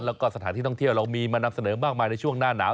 แล้วก็สถานที่ท่องเที่ยวเรามีมานำเสนอมากมายในช่วงหน้าหนาว